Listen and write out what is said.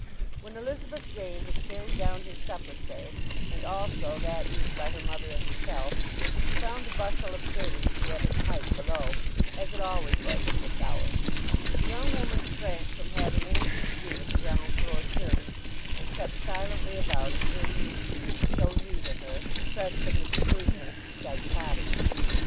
When Elizabeth Jane had carried down his supper tray, and also that used by her mother and herself, she found the bustle of serving to be at its height below, as it always was at this hour. The young woman shrank from having anything to do with the ground floor serving, and crept silently about observing the scene—so new to her, fresh from the seclusion of a seaside cottage.